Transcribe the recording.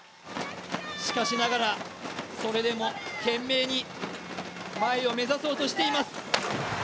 しかしながら、それでも賢明に前を目指そうとしています。